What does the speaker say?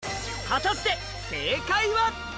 果たして正解は？